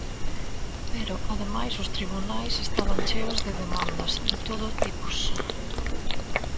Pero, ademais, os tribunais estaban cheos de demandas de todo tipos.